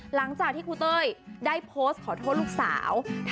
หลังจากที่ครูเต้ยได้โพสต์ขอโทษลูกสาว